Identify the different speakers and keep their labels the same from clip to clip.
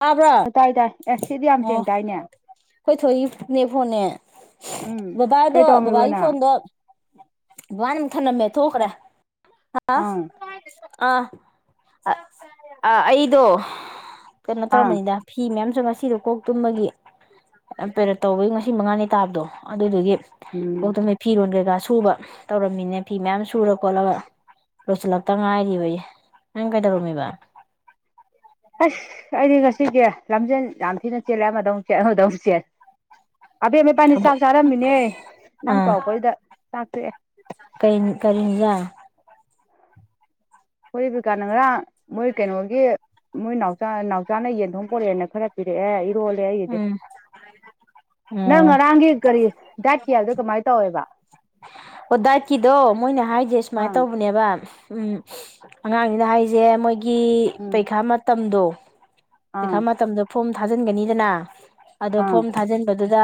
Speaker 1: ꯇꯥꯕ꯭ꯔꯥ
Speaker 2: ꯑꯗꯨꯥꯏ ꯇꯥꯏ ꯑꯦ ꯁꯤꯗꯤ ꯌꯥꯝ
Speaker 1: ꯑꯣ
Speaker 2: ꯊꯦꯡ ꯇꯏꯅꯦ
Speaker 1: ꯑꯩꯈꯣꯏ ꯊꯣꯏꯏꯅꯦ ꯐꯣꯟꯅꯦ
Speaker 2: ꯎꯝ ꯀꯩ
Speaker 1: ꯕꯥꯗ
Speaker 2: ꯇꯧꯔꯝꯃꯤꯕ
Speaker 1: ꯕꯥꯒꯤ
Speaker 2: ꯅꯪ
Speaker 1: ꯐꯣꯟꯗ ꯋꯥꯅ ꯊꯅꯝꯃꯦ ꯊꯈ꯭ꯔ ꯑ
Speaker 2: ꯑꯪ
Speaker 1: ꯑ ꯑ ꯑꯩꯗꯣ ꯀꯩꯅꯣ
Speaker 2: ꯑꯥ
Speaker 1: ꯇꯧꯔꯔꯕꯝꯕꯅꯤꯗ ꯐꯤ ꯃꯌꯥꯝ ꯁꯣ ꯉꯁꯤꯗꯣ ꯀꯣꯛ ꯇꯨꯝꯕꯒꯤ ꯀꯩꯅꯣ ꯇꯧꯕꯒꯤ ꯉꯁꯤ ꯃꯉꯥꯅꯤ ꯇꯥꯕꯗꯣ ꯑꯗꯨꯗꯨꯒꯤ
Speaker 2: ꯎꯝ
Speaker 1: ꯑꯣꯗ ꯐꯤꯔ ꯑꯣꯣꯟꯒꯦꯒꯁ ꯁꯨꯕ ꯇꯧꯔꯝꯃꯤꯅꯦ ꯐꯤ ꯃꯌꯥꯝ ꯁꯨꯔ ꯈꯣꯠꯂꯒ ꯂꯣꯏꯁꯤꯜꯂꯛꯇ ꯉꯥꯏꯔꯤꯕꯒꯤ ꯅꯪ ꯀꯩꯗꯧꯔꯝꯃꯤꯕ
Speaker 2: ꯑꯁ ꯑꯩꯗꯤ ꯉꯁꯤꯗꯤ ꯂꯝꯖꯦꯜ ꯌꯥꯝ ꯊꯤꯅ ꯆꯦꯜꯂꯦ ꯑꯃꯗꯧꯨꯛ ꯆꯦꯠ ꯑꯃꯗꯧ ꯑꯃꯨꯛ ꯆꯦꯠꯂ ꯑꯕꯦꯠ ꯃꯄꯥꯅꯤ ꯆꯥꯛ
Speaker 1: ꯊꯕꯛ
Speaker 2: ꯆꯥꯔꯝꯃꯤꯅꯦ ꯅꯪ
Speaker 1: ꯑꯥ
Speaker 2: ꯇꯧꯔꯛꯄꯗ ꯆꯥꯛ ꯊꯣꯛꯑꯦ
Speaker 1: ꯀꯩ ꯀꯔꯤ ꯏꯟꯖꯥꯡ
Speaker 2: ꯍꯣꯏ ꯏꯕꯤꯀꯥ ꯅ ꯉꯔꯥꯡ ꯃꯣꯏ ꯀꯩꯅꯣꯒꯤ ꯃꯣꯏ ꯅꯥꯎ ꯅꯥꯎꯆꯥꯥꯅ ꯌꯦꯟꯊꯣꯡ ꯄꯣꯔꯛꯑꯦꯅ ꯈꯔ ꯄꯤꯔꯛꯑꯦ ꯣ ꯂꯦꯏꯗꯤ
Speaker 1: ꯎꯝ
Speaker 2: ꯅꯪ
Speaker 1: ꯑꯣ
Speaker 2: ꯉ ꯔꯥꯡꯒꯤ ꯀꯔꯤ ꯥꯛꯇꯀꯤ ꯌꯥꯗ ꯀꯃꯥꯏ ꯇꯧꯋꯕ ꯋꯥ
Speaker 1: ꯑꯣ ꯗꯥꯏꯠꯀꯤꯗꯣ ꯃꯣꯏꯅ ꯍꯥꯏꯁꯦ ꯁꯨꯃꯥꯏꯅ
Speaker 2: ꯑꯥ
Speaker 1: ꯇꯧꯕꯅꯦꯕ ꯎꯝ ꯑꯉꯥꯡꯅꯤꯅ ꯍꯥꯏꯁꯦ ꯃꯣꯏ ꯒꯤ
Speaker 2: ꯎꯝ
Speaker 1: ꯄꯩꯈꯥ ꯃꯇꯝꯗꯣ
Speaker 2: ꯑꯥ
Speaker 1: ꯈꯃ ꯇꯝꯗ ꯐꯣꯝ ꯊꯥꯖꯤꯟꯒꯅꯤꯗꯅ ꯑꯗꯣ
Speaker 2: ꯑꯥ
Speaker 1: ꯐꯣꯝ ꯊꯥꯖꯤꯟꯕꯗ ꯑꯗꯨꯗ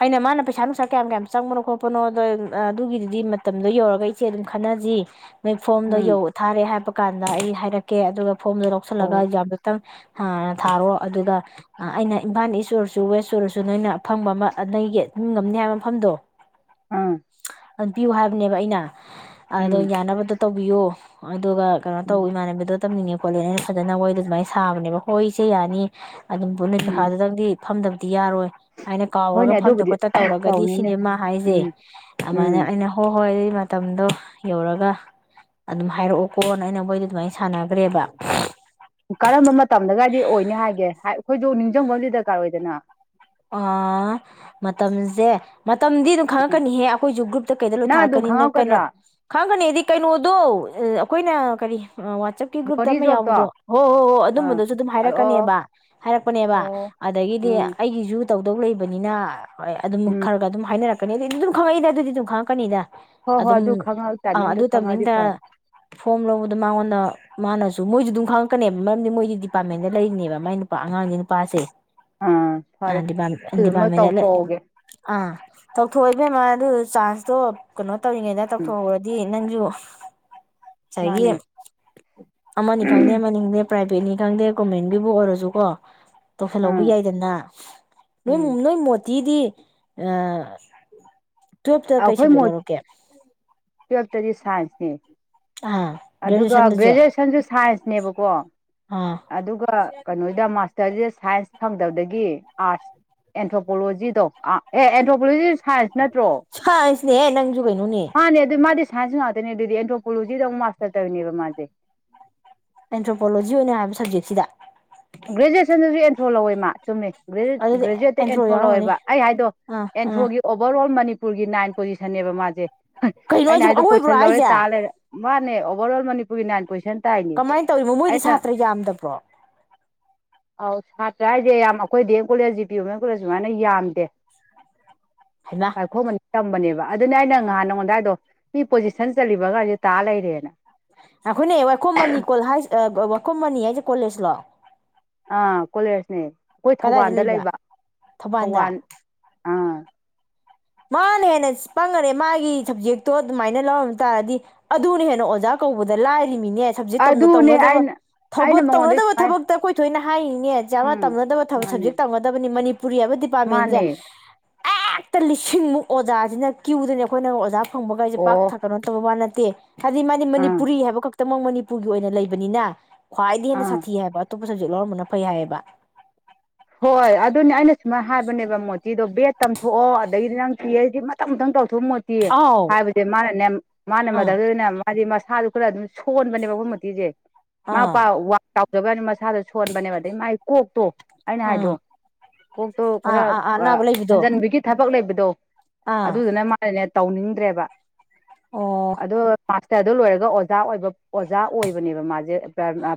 Speaker 1: ꯑꯩꯅ ꯃꯥꯅ ꯄꯩꯁꯥ ꯅꯨꯡꯁꯥ ꯀꯌꯥꯝ ꯀꯌꯥꯝ ꯆꯪꯕꯅꯣ ꯈꯣꯠꯄꯅꯣ ꯑꯗ ꯑꯗꯨꯒꯤꯗꯨꯗꯤ ꯃꯇꯝꯗꯣ ꯌꯧꯔꯒ ꯏꯆꯦ ꯑꯗꯨꯝ ꯈꯟꯅꯁꯤ ꯐꯣꯝꯗꯣ
Speaker 2: ꯎꯝ
Speaker 1: ꯌꯧ ꯊꯥꯔꯦ ꯍꯥꯏꯕ ꯀꯥꯟꯗ ꯑꯩ ꯍꯥꯏꯔꯛꯀꯦ ꯑꯗꯨꯒ ꯐꯣꯝ ꯔꯣꯁ ꯂꯒ
Speaker 2: ꯑꯣ
Speaker 1: ꯌꯥꯗ ꯊꯥꯔꯣ ꯑꯗꯨꯒ ꯑꯩꯅ ꯏꯝꯐꯥꯜ ꯏꯁ ꯑꯣꯏꯔꯁꯨ ꯋꯦꯁ ꯑꯣꯏꯔꯁꯨ ꯅꯣꯏꯅ ꯑ ꯐꯪꯕ ꯑꯃ ꯅꯣꯏꯒꯤ ꯉꯝꯅꯤ ꯍꯥꯏꯕ ꯃꯐꯝꯗꯣ
Speaker 2: ꯑꯥ
Speaker 1: ꯑꯗꯨꯟ ꯄꯤꯌꯨ ꯍꯥꯏꯕꯅꯦꯕ ꯑꯩꯅ
Speaker 2: ꯎꯝ
Speaker 1: ꯑꯗ ꯕ ꯇꯧꯕꯤꯌꯣ ꯑꯗꯨꯒ ꯀꯩꯅꯣ ꯇꯧ
Speaker 2: ꯎꯝ
Speaker 1: ꯏꯃꯥꯟꯅꯕꯤꯗ ꯇꯝꯅꯤꯡꯉꯦ ꯈꯣꯠꯦꯩꯅ ꯐꯖꯅ ꯍꯣꯏꯗ ꯑꯗꯨꯃꯥꯏꯅ ꯁꯥꯕꯅꯦꯕ ꯍꯣꯏꯁꯦ ꯌꯥꯅꯤ ꯑꯗꯨꯕꯨꯅꯤ
Speaker 2: ꯎꯝ
Speaker 1: ꯊꯥꯖꯖꯗꯕꯒꯤ ꯐꯝꯗꯕ ꯗꯤ ꯌꯥꯔꯣꯏ ꯍꯥꯏꯅ
Speaker 2: ꯍꯣꯏꯅꯦ
Speaker 1: ꯀꯥꯎꯔꯒ ꯐꯝꯗ
Speaker 2: ꯑꯗꯨꯕꯨꯗꯤ
Speaker 1: ꯈꯣꯠꯇ ꯇꯧꯔꯒꯗꯤ
Speaker 2: ꯇꯧꯅꯤꯅꯦ
Speaker 1: ꯁꯤꯅꯦ ꯃꯥ ꯍꯥꯏꯁꯦ
Speaker 2: ꯎꯝ
Speaker 1: ꯑꯗꯨꯃꯥꯏꯅ
Speaker 2: ꯎꯝ
Speaker 1: ꯑꯩꯅ ꯍꯣꯏ ꯍꯣꯏ ꯃꯇꯝꯗꯣ ꯌꯧꯔꯒ ꯑꯗꯨꯝ ꯍꯥꯏꯔꯛꯑꯣꯀꯣꯅ ꯑꯩꯅ ꯃꯣꯏꯗ ꯑꯗꯨꯃꯥꯏꯅ ꯁꯥꯟꯅꯈ꯭ꯔꯦꯕ
Speaker 2: ꯀꯔꯝꯕ ꯃꯇꯝꯗꯒꯥꯏꯗꯤ ꯑꯣꯏꯅꯤ ꯍꯥꯏꯒꯦ ꯃ‌ꯈ‌ꯣꯏꯁꯨ ꯅꯤꯡꯁꯤꯡꯕ ꯑꯃꯗꯤ ꯗꯔꯀꯥꯔ ꯑꯣꯏꯗꯅ
Speaker 1: ꯑ ꯃꯇꯝꯁꯦ ꯃꯇꯝꯗꯤ ꯑꯗꯨꯝ ꯈꯪꯉꯛꯀꯅꯤꯍꯦ ꯑꯩꯈꯣꯏꯁꯨ ꯒ꯭ꯔꯨꯞꯇ ꯀꯩꯗ
Speaker 2: ꯅꯪ ꯑꯗꯨꯝ
Speaker 1: ꯂꯣꯏꯊꯥꯔꯛꯀꯅꯤꯅ ꯀꯩꯅꯣ
Speaker 2: ꯈꯪꯍꯧꯒꯗ꯭ꯔꯥ
Speaker 1: ꯈꯪꯉꯛꯀꯅꯤ ꯍꯥꯏꯗꯤ ꯀꯩꯅꯣꯗꯣ ꯑꯩꯈꯣꯏꯅ ꯀꯔꯤ ꯋꯥꯆꯞꯀꯤ ꯒ꯭ꯔꯨꯞꯇ
Speaker 2: ꯒ꯭ꯂꯣꯔꯤ
Speaker 1: ꯑꯃ ꯌꯥꯎꯕꯗꯣ
Speaker 2: ꯖꯣꯕꯇꯣ
Speaker 1: ꯍꯣ ꯍꯣꯏ ꯍꯣꯏ
Speaker 2: ꯑꯥ
Speaker 1: ꯑꯗꯨꯝꯕꯗꯨꯁꯨ ꯑꯗꯨꯝ ꯍꯥꯏꯔꯛꯀꯅꯦꯕ
Speaker 2: ꯑꯣ
Speaker 1: ꯍꯥꯏꯔꯛꯄꯅꯦꯕ
Speaker 2: ꯑꯣ
Speaker 1: ꯑꯗꯒꯤꯗꯤ
Speaker 2: ꯎꯝ
Speaker 1: ꯑꯩꯒꯤꯁꯨ ꯇꯧꯗꯧ ꯂꯩꯕꯅꯤꯅ ꯍꯣꯏ ꯑꯗꯨꯝ
Speaker 2: ꯎꯝ
Speaker 1: ꯈꯔꯒ ꯑꯗꯨꯝ ꯍꯥꯏꯅꯔꯛ ꯀꯅꯤ ꯑꯗꯨꯗꯤ ꯑꯗꯨꯝ ꯈꯪꯉꯛꯏꯗ ꯑꯗꯨꯗꯤ ꯑꯗꯨꯝ ꯈꯪꯉꯛꯀꯅꯤꯗ
Speaker 2: ꯍꯣꯏ ꯍꯣꯏ
Speaker 1: ꯑꯗꯨꯝ
Speaker 2: ꯑꯗꯨ ꯈꯪꯉ
Speaker 1: ꯑ
Speaker 2: ꯇꯥꯏꯃꯤꯡꯗꯨ
Speaker 1: ꯑꯗꯨ
Speaker 2: ꯈꯪꯉꯗꯤ ꯐꯔꯦ
Speaker 1: ꯇꯥꯏꯃꯤꯡꯗ ꯐꯣꯝ ꯂꯧꯕꯗ ꯃꯉꯣꯟꯗ ꯃꯥꯅꯁꯨ ꯃꯣꯏꯁꯨ ꯑꯗꯨꯝ ꯈꯪꯉꯛꯀꯅꯦꯕ ꯃꯔꯝꯗꯤ ꯃꯣꯏꯗꯤ ꯗꯤꯄꯥꯔꯠꯃꯦꯟꯗ ꯂꯩꯔꯤꯅꯦꯕ ꯃꯥꯏ ꯅꯨꯄꯥ ꯑꯉꯥꯁꯤꯒꯤ ꯅꯨꯄꯥꯁꯦ
Speaker 2: ꯑꯥ
Speaker 1: ꯑ
Speaker 2: ꯐꯔꯦ
Speaker 1: ꯗꯤꯄꯥꯝ
Speaker 2: ꯑꯗꯨꯃ
Speaker 1: ꯏꯗꯤꯄꯥꯝꯗꯂꯦ
Speaker 2: ꯇꯧꯊꯣꯛꯍꯧꯒꯦ
Speaker 1: ꯑ ꯇꯧꯊꯣꯛꯑ‌ꯣ ꯏꯕꯦꯝꯃ ꯑꯗꯨ ꯆꯥꯟꯁꯇꯣ ꯀꯩꯅꯣ ꯇꯧꯔꯤꯉꯩꯗ
Speaker 2: ꯎꯝ
Speaker 1: ꯇꯧꯊꯣꯛꯎꯔꯗꯤ ꯅꯪꯖꯨ ꯉꯁꯥꯏꯒꯤ
Speaker 2: ꯃꯥꯅꯦ
Speaker 1: ꯑꯃꯅꯤ ꯈꯪꯗꯦ ꯑꯃꯅꯤ ꯈꯪꯗꯦ ꯄ꯭ꯔꯥꯏꯕ‌ꯦꯠꯅꯤ ꯈꯪꯗꯦ ꯒꯕꯔꯟꯃꯦꯟꯠ ꯒꯤꯕꯨ ꯑꯣꯏꯔꯁꯨꯀꯣ ꯇꯧꯁꯤꯜꯍꯧꯕ
Speaker 2: ꯑꯥ
Speaker 1: ꯌꯥꯏꯗꯅ
Speaker 2: ꯎꯝ
Speaker 1: ꯅꯣꯏꯃꯨꯡ ꯅꯣꯏꯃ‌ꯣꯠ ꯇꯤꯗꯤ ꯑ
Speaker 2: ꯑꯩꯈꯣꯏ ꯇꯨꯋꯦꯜꯐꯇꯗꯤ ꯁꯥꯏꯟꯁ ꯅ‌ꯦ
Speaker 1: ꯑꯥ
Speaker 2: ꯑꯗꯨꯒ
Speaker 1: ꯒ꯭ꯔꯦꯖꯨꯑꯦꯁꯟꯗꯁꯨ
Speaker 2: ꯒ꯭ꯔꯦꯖꯨꯑꯦꯁꯟꯁꯨ ꯁꯥꯏꯟꯁꯅꯦꯕꯀꯣ
Speaker 1: ꯑꯥ
Speaker 2: ꯑꯗꯨꯒ ꯀꯩꯅꯣꯗ ꯃꯥꯁꯇꯔꯁꯤꯗ ꯁꯥꯏꯟꯁ ꯐꯪꯗꯕꯗꯒꯤ ꯑꯥꯔꯠꯁ ꯑꯦꯟꯊ꯭ꯔꯣꯄꯣꯂꯣꯖꯤꯗꯣꯥ ꯑꯦ ꯑꯦꯟꯊ꯭ꯔꯣꯄꯣꯂꯣꯖꯤ ꯁꯥꯏꯟꯁ ꯅꯠꯇ꯭ꯔꯣ
Speaker 1: ꯁ꯭ꯥꯏꯁꯅ ꯅꯤ‌ ꯍ‌ꯦ ꯅꯪ
Speaker 2: ꯃꯥꯅꯦ ꯑꯗꯨ ꯃꯥꯗꯤ ꯁꯥꯏꯟꯁꯨ ꯉꯥꯛꯇꯅꯦ ꯑꯗꯨꯗꯤ ꯑꯦꯟꯊ꯭ꯔꯣꯄꯣꯂꯣꯖꯤꯗ ꯑꯃꯨꯛ ꯃꯥꯁꯇꯔ ꯇꯧꯋꯤꯅꯦꯕ ꯃꯥꯁꯦ
Speaker 1: ꯑꯦꯟꯊ꯭ꯔꯣꯄꯣꯂꯣꯖꯤ ꯑꯣꯏꯅ ꯍꯥꯏꯕ ꯁꯕꯖꯦꯛꯁꯤꯗ
Speaker 2: ꯒ꯭ꯔꯦꯖꯨꯑꯦꯁꯟꯗꯁꯨ ꯑꯦꯟꯊ꯭ꯔꯣ ꯂꯧꯋꯦ ꯃꯥ ꯆꯨꯝꯃꯦ ꯒ꯭ꯔꯦꯖꯨꯌꯦꯠ
Speaker 1: ꯑꯗꯨꯗꯤ
Speaker 2: ꯒ꯭ꯔꯦꯖꯨꯌꯦꯠꯇ
Speaker 1: ꯑꯦꯟꯊ꯭ꯔꯣ
Speaker 2: ꯑꯦꯟ꯭ꯔꯣ
Speaker 1: ꯌꯥꯎꯔꯝꯒꯅꯤ
Speaker 2: ꯂꯧꯋꯦꯕ ꯑꯩ ꯍꯥꯏꯗꯣ
Speaker 1: ꯑꯥ ꯑꯥ
Speaker 2: ꯑꯦꯟꯊ꯭ꯔꯣꯒꯤ ꯑꯣꯕꯔ ꯑꯣꯜ ꯃꯅꯤꯄꯨꯔ ꯃꯅꯤꯄꯨꯔꯒꯤ ꯅꯥꯏꯟ ꯄꯣꯖꯤꯁꯟꯅꯦꯕ ꯃꯥꯁꯦ
Speaker 1: ꯀꯩꯅꯣ
Speaker 2: ꯑꯩꯩꯅ ꯍꯥꯏꯗꯣ
Speaker 1: ꯍꯥꯏꯁꯤꯕꯨ
Speaker 2: ꯑꯩꯗ
Speaker 1: ꯑꯋꯣꯏꯕ꯭ꯔꯣ
Speaker 2: ꯄꯣꯏꯁꯜ ꯂꯧꯔꯦ
Speaker 1: ꯍꯥꯏꯁꯦ
Speaker 2: ꯇꯥ ꯂꯩꯔꯦ ꯃꯥꯅꯦ ꯑꯣꯕꯔ ꯑꯣꯜ ꯃꯅꯤꯄꯨꯔꯒꯤ ꯅꯥꯏꯟ ꯄꯣꯏꯁꯟ
Speaker 1: ꯀꯃꯥꯏꯅ ꯇꯧꯔꯤꯅꯣ ꯃꯣꯏꯗꯤ ꯁꯥꯇ꯭ꯔ ꯌꯥꯝꯗꯕ꯭ꯔꯣ
Speaker 2: ꯑꯧ ꯁꯥꯇ꯭ꯔ ꯍꯥꯏꯗꯤ ꯌꯥꯝ ꯑꯩꯈꯣꯏꯗꯤ ꯀꯣꯂꯦꯖꯁꯤ ꯄꯤꯌ ꯃ ꯀꯣꯂꯦꯖ ꯁꯨꯃꯥꯏꯅ ꯌꯥꯝꯗꯦ
Speaker 1: ꯍꯩꯃꯥ
Speaker 2: ꯁꯥꯔꯈꯣ ꯃꯅꯤ ꯇꯝꯕꯅꯦꯕ ꯑꯗꯨꯅꯦ ꯑꯩꯅ ꯉꯍꯥꯟ ꯅꯉꯣꯟꯗꯥꯏꯗꯣ ꯃꯤ ꯄꯣꯖꯤꯁꯟ ꯆꯠꯂꯤꯕ ꯑꯉꯥꯡꯁꯦ ꯇꯥ ꯂꯩꯔꯦꯅ
Speaker 1: ꯑꯈꯣꯏꯅꯦ ꯋꯥꯏꯈꯣꯝ ꯃꯅꯤ ꯀꯣꯜ ꯍꯥꯏ ꯋꯥꯏꯈꯣꯝ ꯃꯅꯤ ꯍꯥꯏꯁꯦ ꯀꯣꯂꯦꯖ ꯂꯣ
Speaker 2: ꯑꯥ ꯀꯣꯂꯦꯁꯅꯦ ꯑꯈꯣꯏ ꯊꯧꯕꯥꯜꯗ ꯂꯩꯕ
Speaker 1: ꯊꯧꯕꯥꯜꯗ
Speaker 2: ꯊꯧꯕꯥꯜ ꯑꯥ
Speaker 1: ꯃꯥꯅ ꯍꯦꯟꯅ ꯄꯪꯉꯔꯦ ꯃꯥꯒꯤ ꯁꯞꯖꯦꯛꯇꯣ ꯑꯗꯨꯃꯥꯏꯅ ꯂꯧꯔꯝꯕ ꯇꯥꯔꯗꯤ ꯑꯗꯨꯅ ꯍꯦꯟꯅ ꯑꯣꯖꯥ ꯀꯧꯕꯗ ꯂꯥꯏ ꯍꯥꯏꯔꯤꯃꯤꯅꯦ ꯁꯞꯖꯦꯛ
Speaker 2: ꯑꯗꯨꯅꯦ
Speaker 1: ꯇꯧꯅꯗꯕ
Speaker 2: ꯑꯩꯅ
Speaker 1: ꯊꯧ
Speaker 2: ꯑꯩꯅ ꯃꯉꯣꯟꯗꯩ
Speaker 1: ꯇꯧꯅꯗꯕ
Speaker 2: ꯁꯨꯃꯥꯏ
Speaker 1: ꯊꯕꯛꯇ ꯑꯈꯣꯏ ꯊꯣꯏꯅ ꯍꯥꯏꯔꯤꯅꯦ ꯆꯥꯅ
Speaker 2: ꯎꯝ
Speaker 1: ꯇꯝꯅꯗꯕꯕ
Speaker 2: ꯃꯥꯅꯦ
Speaker 1: ꯁꯞꯖꯦꯛ ꯇꯝꯒꯗꯕꯅꯤ ꯃꯅꯤ ꯄꯨꯔꯤ ꯍꯥꯏꯕ ꯗꯤꯄꯥꯔꯠꯃꯦꯟꯁꯦ
Speaker 2: ꯃꯥꯅꯦ
Speaker 1: ꯑꯦꯛꯇ ꯂꯤꯁꯤ ꯁꯤꯡꯃꯨꯛ ꯑꯣꯖꯥꯁꯤꯅ ꯀ꯭ꯌꯨꯗꯅꯤ ꯑꯈꯣꯏꯅ ꯑꯣꯖꯥ ꯊꯣꯡꯕꯒ ꯑꯜꯁꯦ ꯄꯥꯛ
Speaker 2: ꯑꯣ
Speaker 1: ꯊꯛ ꯀꯧꯅꯣ ꯇꯧꯕ ꯋꯥ ꯅꯠꯇꯦ ꯍꯥꯏꯗꯤ ꯃꯥꯗꯤ
Speaker 2: ꯑꯥ
Speaker 1: ꯃꯅꯤꯄꯨꯔꯤ ꯍꯥꯏꯕ ꯈꯛꯇꯃꯛ ꯃꯅꯤꯄꯨꯔꯒꯤ ꯑꯣꯏꯅ ꯂꯩꯕꯅꯤꯅ ꯈ꯭ꯥꯏꯗꯩ ꯅ ꯍꯦꯟꯅ
Speaker 2: ꯑꯥ
Speaker 1: ꯁꯥꯥꯊꯤ ꯍꯥꯏꯕ ꯁꯕꯖꯦꯛ ꯂꯧꯔꯝꯕꯅ ꯐꯩ ꯍꯥꯏꯌꯦꯕ
Speaker 2: ꯍꯣꯏ ꯑꯗꯨꯅꯦ ꯑꯩꯅ ꯁꯨꯃꯥꯏꯅ ꯍꯥꯏꯕꯅꯦꯕ ꯃꯣꯇꯤꯗꯣ ꯕꯦꯠ ꯇꯝꯊꯣꯛꯑꯣ ꯑꯗꯒꯤꯗꯤ ꯅꯪ ꯄꯤ ꯑꯩꯆ ꯗꯤ ꯃꯊꯪ ꯃꯊꯪ ꯇꯧ ꯃꯊꯨꯝ ꯃꯨꯇꯤ
Speaker 1: ꯑꯥꯎ
Speaker 2: ꯍꯥꯏꯕꯗꯤ ꯃꯥꯅꯅꯦ ꯃꯥꯅ
Speaker 1: ꯑꯥ
Speaker 2: ꯃꯛꯇꯗꯅꯦ ꯍꯥꯏꯗꯤ ꯃꯁꯥꯗꯨ ꯈꯔ ꯑꯗꯨꯝ ꯁꯣꯟꯕꯅꯦꯕ ꯑꯈꯣꯏ ꯃꯣꯇꯤꯁꯦ ꯃꯥ
Speaker 1: ꯑꯥ
Speaker 2: ꯄꯥꯎ ꯋꯥꯡ ꯆꯥꯎ ꯖꯕꯅꯤ ꯃꯁꯥꯗ ꯁꯣꯟꯕꯅꯦꯕ ꯑꯗꯩ ꯃꯥꯏ ꯀꯣꯛꯇꯣ ꯑꯩꯅ
Speaker 1: ꯑꯥ ꯑꯥ
Speaker 2: ꯍꯥꯏꯗꯣ ꯀꯣꯛꯇꯣ ꯈꯔ
Speaker 1: ꯑꯥ ꯑꯥ ꯑꯅꯥꯕ ꯂꯩꯕꯗꯣ
Speaker 2: ꯍꯟꯖꯤꯟꯕꯤꯒꯤ ꯊꯕꯛ ꯊꯕꯛ ꯂꯩꯕꯗꯣ
Speaker 1: ꯑꯥ
Speaker 2: ꯑꯗꯨꯗꯨꯅ ꯃꯥꯅꯦ ꯇꯧꯅꯤꯡꯗ꯭ꯔꯦꯕ
Speaker 1: ꯑꯣ
Speaker 2: ꯑꯗꯣ ꯁ ꯑꯗꯨ ꯂꯣꯏꯔꯒ ꯑꯣꯖꯥ ꯑꯣꯏꯕ ꯑꯣꯖꯥ ꯑꯣꯏꯕꯅꯦꯕ ꯃꯥꯁꯦ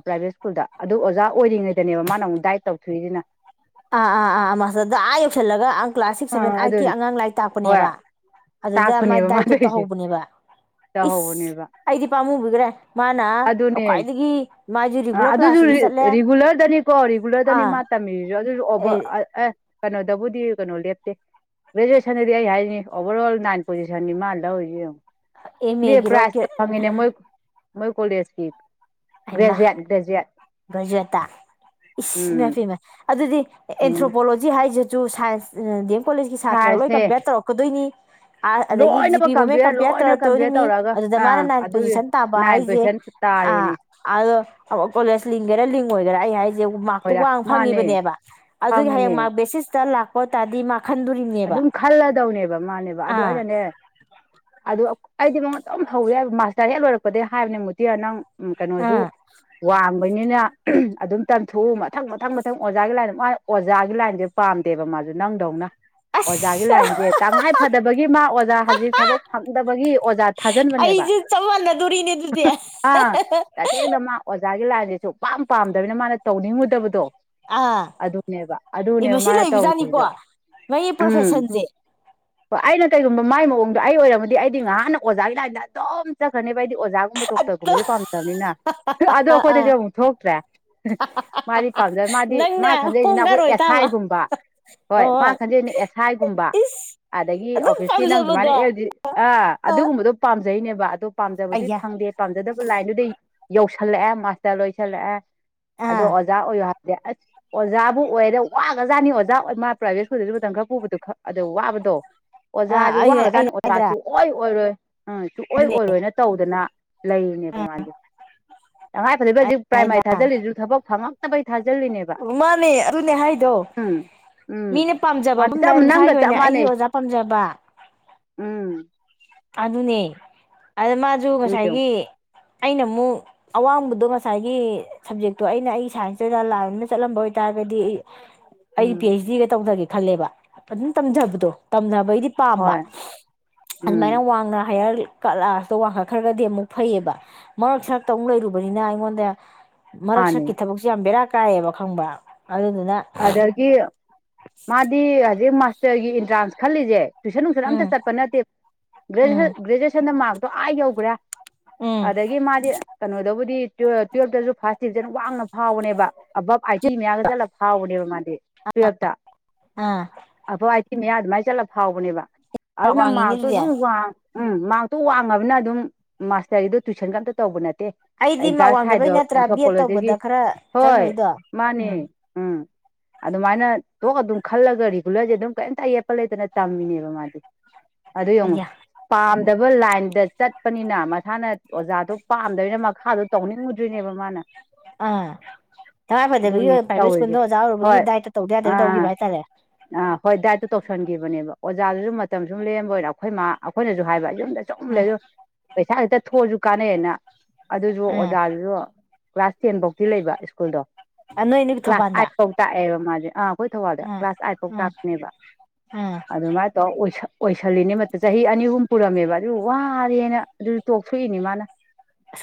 Speaker 2: ꯄ꯭ꯔꯥꯏꯚꯦꯠ ꯁ꯭ꯀꯨꯜꯗ ꯑꯗꯨ ꯑꯣꯖꯥ ꯑꯣꯏꯔꯤꯉꯩꯗꯅꯦꯕ ꯃꯥꯅ ꯑꯃꯨꯛ ꯗꯥꯠ ꯇꯧ ꯊꯣꯏꯏꯗꯅ
Speaker 1: ꯑꯥ ꯑꯥ ꯑ ꯃꯁꯗꯥ ꯌꯣꯁꯂꯒ ꯀ꯭ꯂꯥꯁ ꯁꯤꯛꯁ ꯁꯚꯦꯟ
Speaker 2: ꯑꯥ
Speaker 1: ꯑꯥꯏꯠꯀꯤ
Speaker 2: ꯑꯗꯨꯅꯤ
Speaker 1: ꯑꯉꯥꯡ ꯂꯥꯏꯔꯤꯛ
Speaker 2: ꯍꯣꯏ
Speaker 1: ꯇꯥꯛꯄꯅꯦꯕ ꯑꯗꯨꯗ ꯃꯥꯥꯏ
Speaker 2: ꯇꯥꯛꯄꯅꯦꯕ ꯃꯥ
Speaker 1: ꯗꯥꯏꯠꯇꯣ
Speaker 2: ꯇꯧꯔꯤꯁꯦ
Speaker 1: ꯇꯧꯍꯧꯕꯅꯦꯕ ꯏꯁ
Speaker 2: ꯇꯧꯍꯧꯕꯅꯦꯕ
Speaker 1: ꯑꯩꯗꯤ ꯄꯥꯝꯃꯨ ꯎꯒ꯭ꯔꯦ
Speaker 2: ꯑꯗꯨꯅꯦ ꯑ
Speaker 1: ꯔꯤꯒꯨꯂꯔ
Speaker 2: ꯑꯗꯨꯁꯨ
Speaker 1: ꯀ꯭ꯂꯥꯁꯇꯁꯨ ꯆꯠꯂꯦ
Speaker 2: ꯔꯤꯒꯨꯂꯔꯗꯅꯤꯀꯣ ꯔꯤꯒꯨꯂꯔꯗꯅꯤ
Speaker 1: ꯑꯥ
Speaker 2: ꯃꯥ ꯇꯝꯃꯤꯔꯤꯁꯨ ꯕ ꯑꯦ ꯀꯩꯅꯣꯗꯕꯨꯗꯤ ꯀꯩꯅꯣ ꯂꯦꯞꯇꯦ ꯒ꯭ꯔꯦꯖꯨꯑꯦꯁꯟꯗꯗꯤ ꯑꯩ ꯍꯥꯏꯅꯤ ꯑꯣꯚꯔ ꯑꯣꯜ ꯅꯥꯏꯟ ꯄꯣꯖꯤꯁꯟꯅꯤ ꯃꯥ ꯂꯧꯔꯤꯁꯦ ꯌꯦꯡꯉ
Speaker 1: ꯑꯦꯝ
Speaker 2: ꯃꯤ
Speaker 1: ꯑꯦꯒꯤꯔꯣ
Speaker 2: ꯄ꯭ꯔꯥꯁ ꯐꯪꯉꯤꯅꯦ ꯃꯣꯏ ꯃꯣꯏ ꯀꯣꯁꯤ
Speaker 1: ꯑꯩꯃ ꯕ꯭ꯔꯖꯨꯇꯥ ꯏꯃꯦ
Speaker 2: ꯎꯝ
Speaker 1: ꯄꯤꯃꯦ ꯑꯗꯨꯗꯤ
Speaker 2: ꯎꯝ
Speaker 1: ꯑꯦꯟꯊ꯭ꯔꯣꯄꯣꯂꯣꯖꯤ ꯍꯥꯏꯁꯨ ꯁꯥꯏꯝ ꯑ.. ꯗꯝ ꯀꯣꯂꯦꯖꯀꯤ ꯁꯥꯇ꯭ꯔ ꯂꯣꯏ
Speaker 2: ꯁꯥꯏꯟꯁꯅꯦ
Speaker 1: ꯀꯝꯄꯦꯌꯔ ꯇꯧꯔꯛꯀꯗꯣꯏꯅꯤꯥ ꯑꯗꯒꯤ ꯖꯤ
Speaker 2: ꯂꯣꯏꯅꯃꯛ
Speaker 1: ꯄꯤ ꯃꯣꯃꯦꯟ
Speaker 2: ꯀꯝꯄꯤꯌꯔ
Speaker 1: ꯀꯝꯄꯦꯌꯔ
Speaker 2: ꯂꯣꯏꯅ ꯀꯝꯄꯤꯌꯔ
Speaker 1: ꯇꯧꯔꯛꯇꯧꯗꯣꯏꯅꯤ
Speaker 2: ꯇꯧꯔꯒ
Speaker 1: ꯑꯗꯨꯗ ꯃꯥꯅ
Speaker 2: ꯑꯥ
Speaker 1: ꯅꯥꯏꯟ
Speaker 2: ꯑꯗꯨꯒꯤ
Speaker 1: ꯄꯣꯖꯤꯁꯟ ꯇꯥꯕ
Speaker 2: ꯅꯥꯏꯟ
Speaker 1: ꯍꯥꯏꯁꯦ
Speaker 2: ꯄꯔꯁꯦꯟ ꯇꯥꯔꯤꯅꯦ
Speaker 1: ꯑꯥ ꯑꯗꯣ ꯀꯣꯂꯦꯖ ꯂꯤꯡꯒꯦꯔꯥ ꯂꯤꯡ ꯑꯣꯏꯒꯦꯔꯥ ꯑꯩ ꯍꯥꯏꯦ ꯃꯥꯔꯛꯇꯨ
Speaker 2: ꯃꯣꯏꯔꯥ
Speaker 1: ꯋꯥꯡꯅ
Speaker 2: ꯃꯥꯅꯦ
Speaker 1: ꯐꯪꯉꯤꯕꯅꯦꯕ ꯑꯗꯨꯒꯤ ꯍꯌꯦꯡ
Speaker 2: ꯐꯪꯉꯤꯅꯦ
Speaker 1: ꯃꯥꯔꯛ ꯕꯦꯁꯤꯁꯇ ꯂꯥꯛ ꯑꯣ ꯇꯥꯗꯤ ꯃꯥ ꯈꯟꯗꯣꯔꯤꯅꯦꯕ
Speaker 2: ꯑꯗꯨꯝ ꯈꯜꯂꯗꯧꯅꯦꯕ ꯃꯥꯅꯦꯕ ꯑꯗꯨ
Speaker 1: ꯑꯥ
Speaker 2: ꯑꯩꯅꯅꯦ ꯑꯗꯨ ꯑꯩꯗꯤ ꯃꯉꯣꯟ ꯑꯗꯨꯝ ꯍꯧꯔꯦ ꯃꯥꯁꯇꯔ ꯍꯦꯛ ꯂꯣꯏꯔꯛꯄꯗꯒꯤ ꯍꯥꯏꯕꯅꯤ ꯃꯨꯗꯤꯌ ꯅꯪ ꯎꯝ ꯀꯩꯅꯣꯁꯨ
Speaker 1: ꯑꯥ
Speaker 2: ꯋꯥꯡꯕꯅꯤꯅ ꯑꯗꯨꯝ ꯇꯝꯊꯣꯛꯎ ꯃꯊꯪ ꯃꯊꯪ ꯃꯊꯪ ꯑꯣꯖꯥꯒꯤ ꯂꯥꯏꯟꯗ ꯃꯥ ꯑꯣꯖꯥꯒꯤ ꯂꯥꯏꯟꯁꯦ ꯄꯥꯝꯗꯦꯕ ꯃꯥꯁꯨ ꯅꯪꯗꯧꯅ ꯑꯣꯖꯥꯒꯤ
Speaker 1: ꯑꯁ
Speaker 2: ꯂꯥꯏꯟꯁꯦ ꯇꯉꯥꯏ ꯐꯗꯕꯒꯤ ꯃꯥ ꯑꯣꯖꯥ ꯍꯧꯖꯤꯛ ꯊꯕꯛ ꯐꯪꯗꯕꯒꯤ ꯑꯣꯖꯥ ꯊꯥꯖꯟꯕꯅꯦꯕ
Speaker 1: ꯑꯩꯁꯦ ꯆꯞ ꯃꯥꯟꯅꯗꯣꯔꯤꯅꯦ ꯑꯗꯨꯗꯤ
Speaker 2: ꯑꯥ ꯇꯁꯦꯡꯅ ꯃꯥ ꯑꯣꯖꯥꯒꯤ ꯂꯥꯏꯟ ꯁꯨ ꯄꯥꯝ ꯄꯥꯝꯗꯕꯅꯤꯅ ꯃꯥꯅ ꯇꯧꯅꯤꯡꯉꯨꯗꯕꯗꯣ
Speaker 1: ꯑꯥ
Speaker 2: ꯑꯗꯨꯅꯦꯕ
Speaker 1: ꯏ
Speaker 2: ꯑꯗꯨꯅꯦꯕ
Speaker 1: ꯃꯁꯤ
Speaker 2: ꯃꯥꯅ
Speaker 1: ꯂꯩꯕꯖꯥꯠꯅꯤꯀꯣ
Speaker 2: ꯇꯧꯔꯤꯗꯣ
Speaker 1: ꯃꯌꯤ
Speaker 2: ꯎꯝ
Speaker 1: ꯐꯁꯟꯖꯦ
Speaker 2: ꯍꯣꯏ ꯑꯩꯅ ꯀꯩꯒꯨꯝꯕ ꯃꯥꯏ ꯃꯑꯣꯡꯗꯣ ꯑꯩ ꯑꯣꯏꯔꯝꯃꯗꯤ ꯑꯩꯗꯤ ꯉꯥꯏꯍꯥꯛꯅ ꯑꯣꯖꯥꯒꯤ ꯂꯥꯏꯟꯗ ꯑꯗꯨꯝ ꯆꯠꯈ꯭ꯔꯅꯤ ꯍꯥꯏꯗꯤ ꯑꯣꯖꯥꯒꯨꯝꯕ ꯗꯣꯛꯇꯔꯒꯨꯝꯕꯗꯤ ꯄꯥꯝꯖꯕꯅꯤꯅ ꯑꯗꯣ
Speaker 1: ꯑꯥ ꯑꯥ
Speaker 2: ꯑꯩꯈꯣꯏꯗꯗꯤ ꯑꯃꯨꯛ ꯊꯣꯛꯇ꯭ꯔꯦ ꯍꯍ ꯃꯥꯗꯤ ꯄꯥꯝꯖ ꯃꯥꯗꯤ ꯃꯥ
Speaker 1: ꯅꯪꯅ
Speaker 2: ꯈꯟꯖꯩꯁꯤꯅ ꯑꯩꯈꯣꯏ
Speaker 1: ꯍꯣꯡꯒꯥꯔꯣꯏ
Speaker 2: ꯑꯦꯁ
Speaker 1: ꯇꯥꯕ
Speaker 2: ꯑꯥꯏꯒꯨꯝꯕ ꯍꯣꯏ ꯃꯥ ꯈꯟꯖꯩꯁꯤꯅꯁ ꯑꯗꯨ ꯒꯨꯝꯕ
Speaker 1: ꯏꯁ
Speaker 2: ꯑꯗꯒꯤ
Speaker 1: ꯑꯗꯨꯝ
Speaker 2: ꯑꯣꯐꯤꯁꯀꯤ ꯅꯪꯗꯨꯃꯥꯏꯅ
Speaker 1: ꯄꯥꯝꯖꯕꯗꯣ
Speaker 2: ꯑꯦꯜ ꯗꯤ ꯑ ꯑꯗꯨꯒꯨꯝꯕꯗꯣ ꯄꯥꯝ ꯐꯖꯩꯅꯦꯕ ꯑꯗꯣ ꯄꯥꯝꯖꯕꯗꯤ
Speaker 1: ꯑꯌꯥ
Speaker 2: ꯐꯪꯗꯦ ꯄꯥꯝꯖꯗꯕ ꯂꯥꯏꯟꯗꯨꯗꯤ ꯌꯧꯁ ꯍꯜꯂꯦꯑꯦ ꯃꯥꯁꯇꯔ ꯂꯣꯏ ꯆꯜꯂꯦꯑꯦ ꯑꯗꯣ
Speaker 1: ꯑꯥ
Speaker 2: ꯑꯣꯖꯥ ꯑꯣꯏꯌꯣ ꯍꯥꯏꯗꯤ ꯑꯁ ꯑꯣꯖꯥꯕꯨ ꯑꯣꯏꯔ ꯋꯥꯒꯖꯥꯠꯅꯤ ꯑꯣꯥ ꯃꯥ ꯄ꯭ꯔꯥꯏꯕꯦꯠ ꯁ꯭ꯀꯨꯜꯗꯕꯨ ꯃꯇꯝꯪ ꯈꯔ ꯄꯨꯕꯗꯣ ꯑ ꯋꯥꯕꯗꯣ
Speaker 1: ꯑꯥ
Speaker 2: ꯑꯣꯖꯥꯥꯁꯦ
Speaker 1: ꯑꯩ
Speaker 2: ꯋꯥꯈꯖꯥꯠꯅꯤ
Speaker 1: ꯑꯩꯅ ꯍꯥꯏꯗ꯭ꯔꯥ
Speaker 2: ꯑꯣꯖꯥꯁꯨ ꯍ ꯑꯣꯏꯣꯏꯔ ꯍꯣꯏ ꯎꯝ ꯁꯨꯡꯛꯑꯣꯏ
Speaker 1: ꯑꯗꯨꯅꯦ
Speaker 2: ꯑꯣꯏꯔꯣꯏꯅ ꯇꯧꯗꯅ ꯂꯩꯔꯤꯅꯦꯕ ꯃꯥꯗꯤ ꯇꯉꯥꯏ ꯐꯗꯕ ꯍꯧꯖꯤꯛ ꯄ꯭ꯔꯥꯏꯃꯥꯔꯤ
Speaker 1: ꯍꯥꯏꯗ꯭ꯔꯥ
Speaker 2: ꯊꯥꯖꯤꯜꯂꯤꯁꯨ ꯊꯕꯛ ꯐꯪꯉ ꯩ ꯊꯖꯦ [unintelligible]
Speaker 1: ꯃꯥꯅꯦ ꯑꯗꯨꯅꯦ ꯍꯥꯏꯗꯣ
Speaker 2: ꯎꯝ ꯎꯝ
Speaker 1: ꯃꯤꯅ ꯄꯥꯝꯖꯕ
Speaker 2: ꯃꯥꯅꯤ ꯆꯞ
Speaker 1: ꯃꯨꯝꯗꯥꯏ ꯃꯁꯥꯒꯤ
Speaker 2: ꯅꯪꯒ ꯆꯞ
Speaker 1: ꯑꯣꯏꯅ ꯑꯩꯒꯤ
Speaker 2: ꯃꯥꯟꯅꯩ
Speaker 1: ꯑꯣꯖꯥ ꯄꯥꯝꯖꯕ
Speaker 2: ꯎꯝ
Speaker 1: ꯑꯗꯨꯅꯦ ꯑꯗ ꯃꯥꯁꯨ
Speaker 2: ꯌꯦꯡꯉꯨ
Speaker 1: ꯉꯁꯥꯏꯒꯤ ꯑꯩꯅ ꯑꯃꯨꯛ ꯑꯋꯥꯡꯕꯗꯣ ꯉꯁꯥꯏꯒꯤ ꯁꯕꯖꯦꯛꯇꯣ ꯑꯩꯅ ꯑꯩ ꯁꯥꯏꯟꯁꯇꯨꯗ ꯂꯥꯏꯗ ꯆꯠꯂꯝꯕ ꯑꯣꯏꯇꯥꯔꯒꯗꯤ ꯑꯩ ꯄꯤ
Speaker 2: ꯎꯝ
Speaker 1: ꯑꯩꯩꯆ ꯗꯤꯒ ꯇꯧꯖꯒꯦ ꯈꯜꯂꯦꯕ ꯐꯖꯅ ꯇꯝꯖꯕꯗꯣ ꯇꯝ ꯩꯗꯤꯄꯥꯝꯕ
Speaker 2: ꯍꯣꯏ
Speaker 1: ꯑꯗꯨꯃꯥꯏꯅ
Speaker 2: ꯎꯝ
Speaker 1: ꯋꯥꯡꯅ ꯍꯥꯏꯔꯒ ꯀꯂꯥꯥꯁꯇ ꯋꯥꯡꯈꯠꯈ꯭ꯔꯒꯗꯤ ꯑꯃꯨꯛ ꯐꯩꯌꯦꯕ ꯃꯔꯛ ꯁꯛꯇ ꯑꯃꯨꯛ ꯂꯩꯔꯨꯕꯅꯤꯅ ꯑꯩꯉꯣꯟꯗ ꯃꯔꯛ
Speaker 2: ꯃꯥꯅꯦ
Speaker 1: ꯁꯛꯀꯤ ꯊꯕꯛꯁꯦ ꯌꯥꯝꯕꯤꯦꯔꯛ ꯀꯥꯏꯑꯕ ꯈꯪꯕ ꯑꯗꯨ ꯑꯗꯨꯗ
Speaker 2: ꯑꯗꯒꯤ ꯃꯥꯗꯤ ꯍꯧꯖꯤꯛ ꯃꯥꯁꯇꯔꯒꯤ ꯑꯦꯟꯇ꯭ꯔꯥꯟꯁ ꯈꯜꯂꯤꯁꯦ ꯇꯨꯏꯁꯟ ꯅꯨꯡꯁꯟ ꯑꯝꯇ
Speaker 1: ꯎꯝ
Speaker 2: ꯆꯠꯄ ꯅꯠꯇꯦ ꯭ꯔꯦꯟ
Speaker 1: ꯎꯝ
Speaker 2: ꯒ꯭ꯔꯦꯖꯨꯋꯌꯦꯁꯟꯗ ꯃꯥ ꯣ ꯍꯥꯏꯦ ꯌꯕ꯭ꯔꯥ
Speaker 1: ꯎꯝ
Speaker 2: ꯑꯗꯒꯤ ꯃꯥꯗꯤ ꯀꯩꯅꯣꯗꯕꯨꯗꯤ ꯇꯨꯋꯦꯜꯞꯇꯁꯨ ꯐꯥꯔꯁ ꯗꯤꯕꯤꯖꯟ ꯋꯥꯡꯅ ꯐꯥꯎꯕꯅꯦꯕ ꯑꯕꯞ ꯍ ꯃꯌꯥꯝꯒ ꯆꯂ ꯐꯥꯎꯕꯅꯦꯕ ꯃꯥꯗꯤ ꯇꯨꯋꯇ
Speaker 1: ꯑꯥ
Speaker 2: ꯑ ꯁꯤ ꯃꯌꯥ ꯑꯗꯨꯃꯥꯏꯅ ꯆꯠꯂ ꯐꯥꯎꯕꯅꯦꯕ
Speaker 1: ꯃꯥꯛ
Speaker 2: ꯑꯗꯨꯗ ꯅꯝ
Speaker 1: ꯋꯥꯡꯉꯤꯅꯦ
Speaker 2: ꯃꯥꯇꯣ
Speaker 1: ꯑꯗꯨꯗꯤ
Speaker 2: ꯁ ꯍꯨ ꯋꯥ ꯎꯝ ꯃꯥꯔꯛꯇꯣ ꯋꯥꯡꯉꯕꯅ ꯑꯗꯨꯝ ꯃꯥꯁꯇꯔꯒꯤꯗꯨꯣ ꯇꯨꯋꯏꯁꯟꯒ ꯑꯝꯇ ꯇꯧꯕ ꯅꯠꯇꯦ
Speaker 1: ꯑꯩꯗꯤ ꯃ
Speaker 2: ꯑꯦꯟꯇ꯭ꯔꯥꯟꯁ
Speaker 1: ꯋꯥꯡꯗꯕꯩ
Speaker 2: ꯊꯥꯏꯗꯣ
Speaker 1: ꯅꯠꯇ꯭ꯔꯥ ꯕꯤ ꯑꯦꯠ
Speaker 2: ꯑꯦꯟꯊ꯭ꯔꯣꯄꯣꯂꯣꯖꯤꯒꯤ
Speaker 1: ꯇꯧꯕꯗ ꯈꯔ ꯆꯪꯅꯩꯗꯣ ꯎꯝ
Speaker 2: ꯎ ꯑꯗꯨꯃꯥꯏꯅ ꯇꯣꯛ ꯑꯗꯨꯝ ꯈꯜꯂꯒ ꯔꯤꯒꯨꯂꯔꯁꯦ ꯑꯗꯨꯝ ꯀꯩꯝꯇ ꯑꯌꯦꯞꯄ ꯂꯩꯇꯅ ꯇꯝꯃꯤꯅꯦꯕ ꯃꯥꯗꯤ ꯑꯗꯨ ꯌꯦꯡꯉꯨꯝ
Speaker 1: ꯑꯌꯥ
Speaker 2: ꯗꯕꯜ ꯂꯥꯏꯟꯗ ꯆꯠꯄꯅꯤꯅ ꯃꯁꯥꯅ ꯑꯣꯖꯥꯗꯣ ꯄꯥꯝꯗꯕꯅ ꯃꯈꯥꯗꯣ ꯇꯧꯅꯤꯡꯉꯨꯗ꯭ꯔꯤꯅꯦꯕ ꯃꯥꯅ
Speaker 1: ꯑ ꯊꯋꯥꯗ
Speaker 2: ꯑꯗꯨꯅꯤ
Speaker 1: ꯄꯥꯏꯚꯦꯠ
Speaker 2: ꯇꯧꯔꯤꯁꯦ
Speaker 1: ꯁ꯭ꯀꯨꯜꯗ ꯑꯣꯖꯥꯔꯕꯒꯤ
Speaker 2: ꯍꯣꯏ
Speaker 1: ꯗꯥꯏꯠꯇ ꯇꯗ ꯌꯥꯗꯕ
Speaker 2: ꯑꯥ
Speaker 1: ꯇꯧꯈꯤꯕ ꯍꯥꯏꯇꯥꯔꯦ
Speaker 2: ꯑꯥ ꯍꯣꯏ ꯗꯥꯏꯠꯇꯨ ꯇꯧꯁꯟꯈꯤꯕꯅꯦꯕ ꯑꯣꯖꯥꯗꯨꯁꯨ ꯃꯇꯝ ꯁꯨꯝ ꯂꯦꯝꯕ ꯑꯣꯏꯔꯥ ꯑꯩꯈꯣꯏ ꯃꯥ ꯑꯩꯈꯣꯏꯅꯁꯨ ꯍꯥꯏꯕ ꯌꯨꯝꯗ ꯆꯨꯝ ꯂꯩꯔ ꯄꯩꯁꯥ ꯍꯛꯇ ꯊꯣꯛꯑꯁꯨ ꯀꯥꯟꯅꯩꯑꯅ ꯑꯗꯨꯁꯨ
Speaker 1: ꯑꯥ
Speaker 2: ꯑꯣꯖꯥꯗꯨꯁꯨ ꯀ꯭ꯂꯥꯁ ꯇꯦꯟ ꯐꯧꯗꯤꯤ ꯂꯩꯕ ꯁ꯭ꯀꯨꯜꯗꯣ ꯀ
Speaker 1: ꯑꯥ ꯅꯣꯏ ꯅꯣꯏꯒꯤ
Speaker 2: ꯀ꯭ꯂꯥꯁ ꯑ
Speaker 1: ꯊꯧꯕꯥꯜꯗ
Speaker 2: ꯐꯧ ꯇ ꯑꯦ ꯃꯥꯦ ꯍꯣꯏ ꯊꯋꯥꯕꯥꯗ
Speaker 1: ꯑꯥ
Speaker 2: ꯀ꯭ꯂꯥꯁ ꯑꯥꯏꯠ ꯐꯥꯎ
Speaker 1: ꯑꯥ
Speaker 2: ꯇꯥꯛꯄꯅꯦꯕ
Speaker 1: ꯑꯥ
Speaker 2: ꯑꯗꯨꯃꯥꯏꯅ ꯇꯧꯔ ꯑꯣꯏꯁꯜꯂꯤꯅꯤꯃꯠꯇ ꯆꯍꯤ ꯑꯅꯤ ꯑꯍꯨꯝ ꯄꯨꯔꯝꯃꯦꯕ ꯑꯗꯨ ꯋꯥꯔꯦꯅ ꯑꯗꯨ ꯇꯣꯛꯊꯣꯛꯏꯅꯤ ꯃꯥꯅ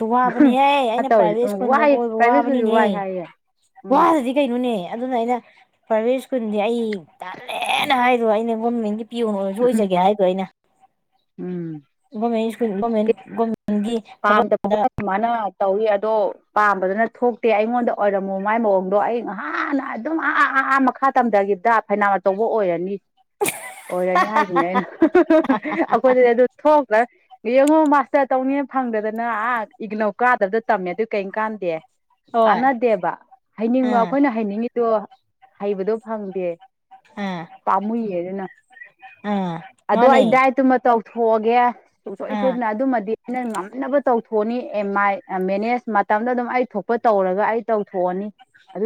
Speaker 1: ꯑ ꯋꯥꯕꯅꯤꯍ ꯑꯩꯅ
Speaker 2: ꯇꯧꯔꯤ
Speaker 1: ꯄ꯭ꯔꯥꯏꯚꯦꯠ
Speaker 2: ꯎꯝ
Speaker 1: ꯁ꯭ꯀꯨꯜꯗ
Speaker 2: ꯋꯥꯏ
Speaker 1: ꯑꯣꯏꯕ
Speaker 2: ꯄ꯭ꯔꯥꯏꯚꯦꯠ ꯁ꯭ꯀꯨꯜꯁꯨ ꯋꯥꯏ
Speaker 1: ꯋꯥꯕꯅꯤꯅꯦꯍ
Speaker 2: ꯍꯥꯏꯌꯦ ꯎꯝ
Speaker 1: ꯋꯥꯗꯗꯤ ꯀꯩꯅꯣꯅꯦ ꯑꯗꯨꯅ ꯑꯩꯅ ꯄ꯭ꯔꯥꯏꯚꯦꯠ ꯁ꯭ꯀꯨꯜꯗꯤ ꯑꯩ ꯇꯥꯜꯂꯦꯅ ꯍꯥꯏꯔꯣ ꯑꯩꯅ ꯒꯣꯔꯃꯦꯟꯒꯤ ꯄꯤꯌꯔꯁꯨ ꯑꯣꯏꯖꯒꯦ ꯍꯥꯏꯗꯣ ꯑꯩꯅ
Speaker 2: ꯎꯝ
Speaker 1: ꯣꯃꯦꯁꯣ
Speaker 2: ꯑꯝꯗ ꯃꯅ ꯇꯧꯏꯤ ꯑꯗꯣ ꯄꯥꯝꯕꯗꯨꯅ ꯊꯣꯛꯇꯦ ꯑꯩꯉꯣꯟꯗ ꯑꯣꯏꯔꯝꯃꯣ ꯃꯥꯏ ꯃꯑꯣꯡꯗꯣ ꯑꯩ ꯉꯍꯥꯟꯅ ꯑꯗꯨꯝ ꯑꯥ ꯑꯥ ꯃꯈꯥ ꯇꯝꯊꯒꯤꯗ ꯐꯩꯅꯥꯟ ꯇꯧꯕ ꯑꯣꯏꯔꯅꯤ ꯑꯣꯏꯔꯅꯤ ꯍꯥꯏꯁꯤꯅꯦ ꯑꯩꯅ ꯑꯩꯈꯣꯏꯗꯗꯤ ꯑꯗꯨ ꯊꯣꯛꯣꯛꯂ ꯌꯦꯉꯣ ꯃꯥꯁꯇꯔ ꯇꯧꯅ ꯐꯪꯗꯗꯅ ꯑꯥ ꯏꯒꯅꯧ ꯀꯥꯗꯕꯗ ꯇꯝꯃꯦ ꯑꯗꯨ ꯀꯩꯝ ꯀꯥꯟꯗꯦ
Speaker 1: ꯍꯣꯏ
Speaker 2: ꯀꯅꯥꯗꯦꯕ ꯍꯩꯅꯤꯡꯕ
Speaker 1: ꯑꯥ
Speaker 2: ꯑꯩꯈꯣꯏꯅ ꯍꯩꯅꯤꯡꯉꯤꯗꯣ ꯍꯩꯕꯗꯣ ꯐꯪꯗꯦ
Speaker 1: ꯑꯥ
Speaker 2: ꯄꯥꯝꯃꯨꯏꯌꯦ ꯑꯗꯨꯅ
Speaker 1: ꯑꯥ
Speaker 2: ꯑꯗꯣ
Speaker 1: ꯃꯥꯅꯦ
Speaker 2: ꯑꯩꯗꯥꯏ ꯇꯨꯃ ꯇꯧ ꯊꯣꯛꯒꯦ ꯁꯨꯡꯁꯣꯏ
Speaker 1: ꯑꯥ
Speaker 2: ꯁꯣꯏꯗꯅ ꯑꯗꯨꯃꯗꯤ ꯑꯩꯅ ꯉꯝꯅꯕ ꯇꯧꯊꯣꯛꯑꯅꯤ ꯑ ꯃꯥꯏ ꯃꯦꯅꯦꯖ ꯃꯇꯝꯗ ꯑꯗꯨꯝ ꯑꯩ ꯊꯣꯛꯄ ꯇꯧꯔꯒ ꯑꯩ ꯇꯧꯊꯣꯛꯑꯅꯤ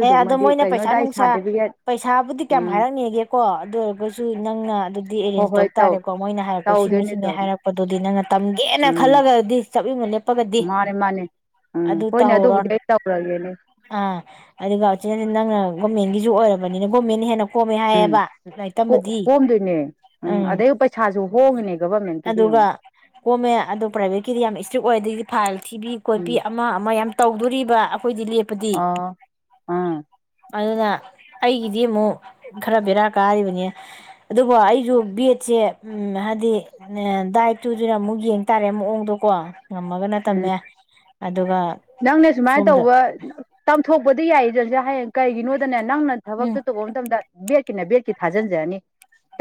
Speaker 1: ꯑꯦꯦ ꯑꯗꯣ ꯃꯣꯏꯅ ꯄꯩꯁꯥ
Speaker 2: ꯀꯩꯅꯣꯗ ꯑꯩ
Speaker 1: ꯅꯨꯡꯁꯥ
Speaker 2: ꯁꯥꯔꯇꯤꯐꯤꯀꯦꯠ
Speaker 1: ꯄꯩꯁꯥꯕꯨꯗꯤ ꯀꯌꯥꯝ
Speaker 2: ꯎꯝ
Speaker 1: ꯍꯥꯏꯔꯛꯅꯤꯒꯦꯀꯣ ꯑꯗꯨ ꯑꯣꯏꯔꯒꯁꯨ ꯅꯪꯅ ꯑꯗꯨꯗꯤ
Speaker 2: ꯍꯣꯏ
Speaker 1: ꯑꯦꯔꯦꯟꯖ
Speaker 2: ꯍꯣꯏ
Speaker 1: ꯇꯧ ꯇꯥꯔꯦꯀꯣ ꯃꯣꯏꯅ ꯍꯥꯏꯔꯛꯄ ꯁꯤꯅꯤ
Speaker 2: ꯇꯧꯗꯣꯏꯅꯦ
Speaker 1: ꯁꯤꯅꯦ
Speaker 2: ꯇꯧꯅꯤ
Speaker 1: ꯍꯥꯏꯔꯛꯄꯗꯨꯗꯤ ꯅꯪꯅ ꯇꯝꯒꯦꯅ ꯈꯜꯂꯒꯗꯤ ꯆꯥꯕꯤ ꯃ
Speaker 2: ꯃꯥꯅꯤ ꯃꯥꯅꯦ ꯎꯝ ꯍꯣꯏꯅꯦ
Speaker 1: ꯇꯧꯍꯧꯔꯣ
Speaker 2: ꯑꯗꯨꯕꯨꯗꯤ ꯑꯩ ꯇꯧꯔꯒꯦꯅꯦ
Speaker 1: ꯑꯥ ꯑꯗꯨꯒ ꯅꯪꯅ ꯒꯣꯔꯃꯦꯟꯒꯤꯁꯨ ꯑꯣꯏꯔꯕꯅꯤꯅ ꯒꯦꯟꯟꯅ ꯍꯦꯟꯅ ꯀꯣꯝꯃꯦ
Speaker 2: ꯎꯝ
Speaker 1: ꯍꯥꯏꯌꯦꯕ ꯂꯥꯏꯔꯤꯛ ꯇꯝꯕꯗꯤ
Speaker 2: ꯀꯣꯝꯗꯣꯏꯅꯦ ꯎꯝ ꯑꯗꯩ ꯄꯩꯁꯥꯁꯨ ꯍꯣꯡꯉꯅꯤ ꯒꯣꯕꯔ
Speaker 1: ꯑꯗꯨꯒ ꯒꯣꯔꯚꯔꯃꯦꯟ ꯑꯗꯨ ꯄ꯭ꯔꯥꯏꯚꯦꯠꯀꯤꯗꯤ ꯌꯥꯝ ꯏꯁꯇ꯭ꯔꯤꯛ ꯑꯣꯏ ꯑꯗꯨꯗꯩꯗꯤ ꯐꯥꯏꯜ ꯊꯤꯕꯤ ꯈꯣꯠꯄꯤ
Speaker 2: ꯎꯝ
Speaker 1: ꯑꯃ ꯑꯃ ꯌꯥꯝ ꯇꯧꯗꯣꯔꯤꯕ ꯑꯩꯈꯣꯏꯗꯤ ꯂꯦꯞꯄꯗꯤ
Speaker 2: ꯑꯣ ꯑꯥ
Speaker 1: ꯑꯗꯨꯅ ꯑꯩꯒꯤꯗꯤ ꯑꯃꯨꯛ ꯈꯔ ꯕꯦꯔꯥ ꯀꯥꯔꯤꯕꯅꯤ ꯑꯗꯨꯕꯨ ꯑꯩꯁꯨ ꯕꯦꯠꯁꯦ ꯍꯥꯏꯗꯤ ꯗꯥꯏꯠꯇꯨꯗꯨꯅ ꯑꯃꯨꯛ ꯌꯦꯡ ꯇꯥꯔꯦ ꯃꯑꯣꯡꯗꯨꯀꯣ ꯉꯝꯃꯒꯅ
Speaker 2: ꯎꯝ
Speaker 1: ꯇꯝꯃꯦ ꯑꯗꯨꯒ
Speaker 2: ꯅꯪꯅ ꯁꯨꯃꯥꯏꯅ
Speaker 1: ꯁꯣꯝꯗ
Speaker 2: ꯇꯧꯕ ꯇꯝꯊꯣꯛꯄꯗꯤ ꯌꯥꯏ ꯍꯌꯦꯡ ꯀꯩꯒꯤꯅꯣꯗꯅꯦ ꯅꯪꯅ ꯊꯕꯛꯇꯣ
Speaker 1: ꯎꯝ
Speaker 2: ꯇꯧꯕ ꯃꯇꯝꯗ ꯕꯦꯠ ꯕꯦꯠꯀꯤ ꯊꯥꯖꯤꯟꯖꯔꯅꯤ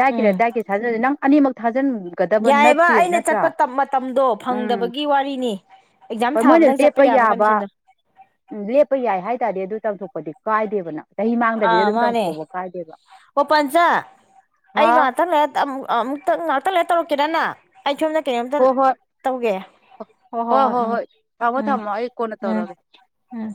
Speaker 2: ꯗꯥꯏꯠꯀꯤꯗ
Speaker 1: ꯎꯝ
Speaker 2: ꯗꯥꯏꯠꯀꯤ ꯊꯥꯖꯤꯟꯅꯤ ꯅꯪ ꯑꯅꯤꯃꯛ ꯊꯥꯖꯤꯟꯒꯗꯕ
Speaker 1: ꯌꯥꯏꯑꯕ
Speaker 2: ꯅꯠꯇꯦꯕ
Speaker 1: ꯑꯩꯅ
Speaker 2: ꯅꯠꯇ꯭ꯔꯥ
Speaker 1: ꯆꯠꯄ ꯃꯇꯝꯗꯣ
Speaker 2: ꯎꯝ
Speaker 1: ꯐꯪꯗꯕꯒꯤ ꯋꯥꯔꯤꯅꯤ ꯑꯦꯛꯖꯥꯝ
Speaker 2: ꯍꯣꯏ ꯃꯣꯏꯅ
Speaker 1: ꯊꯥꯕꯗꯪ ꯆꯠ
Speaker 2: ꯂꯦꯞꯄ ꯌꯥꯕ ꯎ ꯂꯦꯞꯄ ꯌꯥꯏ ꯍꯥꯏꯇꯥꯔꯦ ꯑꯗꯨ ꯇꯧꯊꯣꯛꯄꯗꯤ ꯀꯥꯏꯗꯦꯕ ꯅꯪ ꯆꯍꯤ
Speaker 1: ꯑ
Speaker 2: ꯃꯥꯡꯗꯕꯤꯗ ꯑꯗꯨꯝ
Speaker 1: ꯃꯥꯅꯦ
Speaker 2: ꯇꯝꯊꯣꯛꯄ ꯀꯥꯏꯗꯦꯕ
Speaker 1: ꯑꯣ ꯄꯟꯆꯥ
Speaker 2: ꯍꯥ
Speaker 1: ꯑꯩ ꯉꯥꯛꯇꯪ ꯂꯩꯔꯥ ꯑꯃꯨꯛ ꯑꯃꯨꯛꯇ ꯉꯥꯛꯇꯪ ꯂꯩꯔꯥ ꯇꯧꯔꯛꯀꯦꯔꯥ ꯅꯪ ꯑꯩ ꯁꯣꯝꯗ ꯀꯩꯅꯣꯝꯇ
Speaker 2: ꯍꯣ ꯍꯣꯏ
Speaker 1: ꯇꯧꯒꯦ ꯍꯣꯏ ꯍꯣꯏ ꯍꯣꯏ ꯎꯝ
Speaker 2: ꯊꯝꯃꯣ
Speaker 1: ꯎꯝ
Speaker 2: ꯊꯝꯃꯣ ꯑꯩ ꯀꯣꯟꯅ
Speaker 1: ꯎꯝ
Speaker 2: ꯇꯧꯔꯒꯦ
Speaker 1: ꯎꯝ